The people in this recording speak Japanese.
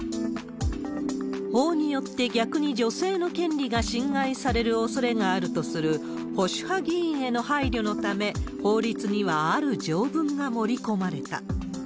法によって、逆に女性の権利が侵害されるおそれがあるとする保守派議員への配慮のため、法律にはある条文が盛り込まれた。